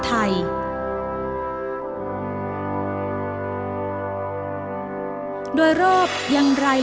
ทะวันออกและที่ตะวันตก